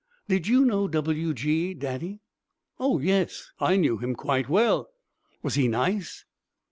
"Did you know W. G., Daddy?" "Oh, yes, I knew him quite well." "Was he nice?"